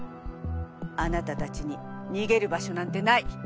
あなたたちに逃げる場所なんてない。